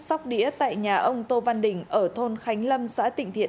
sóc đĩa tại nhà ông tô văn đình ở thôn khánh lâm xã tịnh thiện